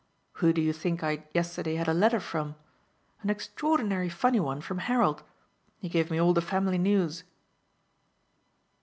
"Who do you think I yesterday had a letter from? An extraordinary funny one from Harold. He gave me all the family news."